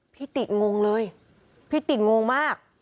พิติงงเลยพิติงงมาก